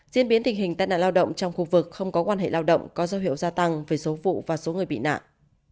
diễn biến tình hình tai nạn lao động trong khu vực không có quan hệ lao động có dấu hiệu gia tăng về số vụ và số người bị nạn